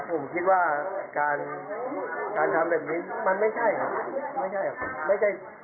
สิ่งที่มีการควบคุมกัน